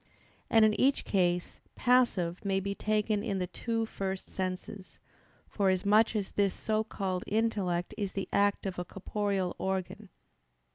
And in each case "passive" may be taken in the two first senses; forasmuch as this so called intellect is the act of a corporeal organ.